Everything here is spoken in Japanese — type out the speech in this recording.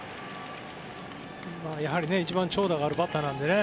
やはり一番長打があるバッターなのでね。